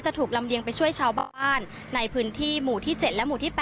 ถูกลำเลียงไปช่วยชาวบ้านในพื้นที่หมู่ที่๗และหมู่ที่๘